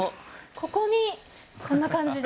ここにこんな感じで。